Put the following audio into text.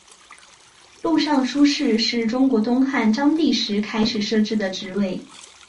录尚书事是中国东汉章帝时开始设置的职位。